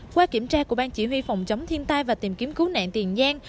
qua kiểm tra của ban chỉ huy phòng chống thiên tai và tìm kiếm cứu nạn tiền giang